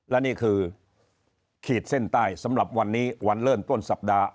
และนี่คือขีดเส้นใต้สำหรับวันนี้วันเริ่มต้นสัปดาห์